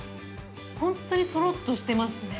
◆本当にとろっとしていますね。